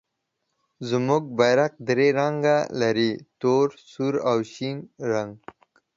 زموږ بیرغ درې رنګه لري، تور، سور او شین رنګ.